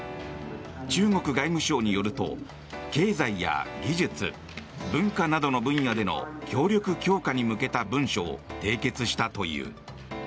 中国外務省によると経済や技術、文化などの分野での協力強化に向けた文書を締結したという。